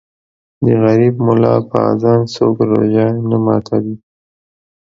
د غریب مولا په اذان څوک روژه نه ماتوي